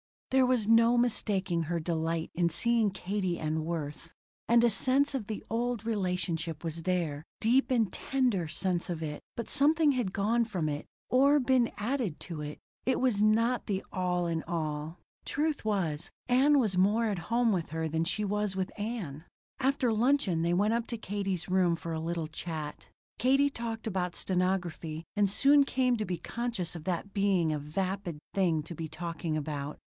There was no mistaking her delight in seeing Katie and Worth. And a sense of the old relationship was there deep and tender sense of it; but something had gone from it, or been added to it. It was not the all in all. Truth was, Ann was more at home with her than she was with Ann. After luncheon they went up to Katie's room for a little chat. Katie talked about stenography and soon came to be conscious of that being a vapid thing to be talking about.